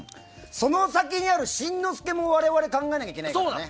その先にある新之助も我々、考えないといけないんですよね。